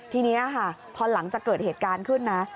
ทีนี้ค่ะพอหลังจากเกิดเหตุการณ์ขึ้นนะ